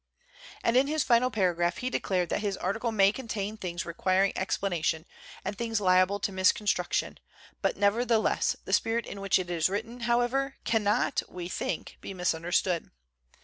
And in his final paragraph he declared that his article may contain things requiring explana tion and things liable to misconstruction; but nevertheless "the spirit in which it is written, however, cannot, we think, be misunderstood.